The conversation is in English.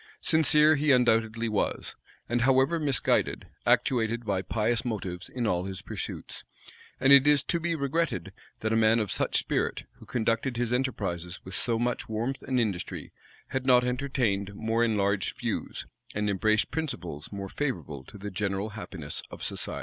Sincere he undoubtedly was, and, however misguided, actuated by pious motives in all his pursuits; and it is to be regretted that a man of such spirit, who conducted his enterprises with so much warmth and industry, had not entertained more enlarged views, and embraced principles more favorable to the general happiness of society.